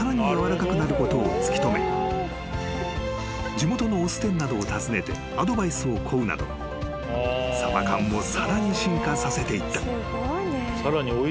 ［地元のお酢店などを訪ねてアドバイスを請うなどサバ缶をさらに進化させていった］